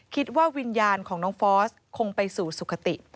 คิดว่าวิญญาณของน้องฟอสคงไปสู่สุขติ